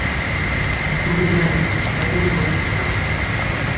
তুমি ক্লান্ত, তাই তুমি ঘুমাতে চাউ!